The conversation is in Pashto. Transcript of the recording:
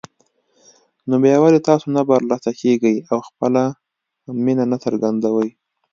نو بيا ولې تاسو نه برلاسه کېږئ او خپله مينه نه څرګندوئ